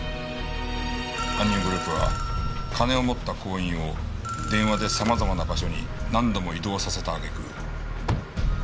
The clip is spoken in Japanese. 犯人グループは金を持った行員を電話で様々な場所に何度も移動させたあげく。